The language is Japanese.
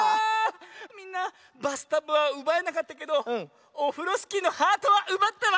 みんなバスタブはうばえなかったけどオフロスキーのハートはうばったわ！